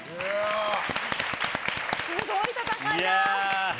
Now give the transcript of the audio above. すごい戦いだ。